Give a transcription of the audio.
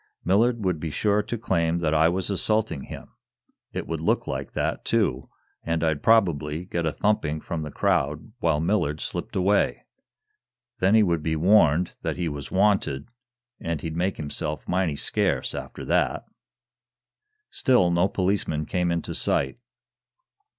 "Millard would be sure to claim that I was assaulting him. It would look like that, too, and I'd probably get a thumping from the crowd, while Millard slipped away. Then he would be warned that he was wanted, and he'd make himself mighty scarce after that." Still no policeman came into sight.